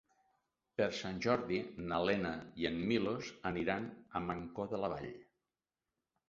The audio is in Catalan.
Per Sant Jordi na Lena i en Milos aniran a Mancor de la Vall.